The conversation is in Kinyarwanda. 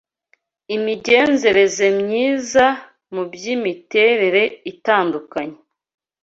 imigenzereze myiza mu by’imirireitandukanye